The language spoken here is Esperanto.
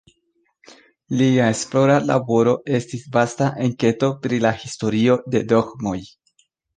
Lia esplora laboro estis vasta enketo pri la historio de dogmoj.